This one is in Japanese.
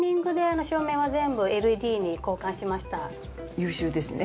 優秀ですね。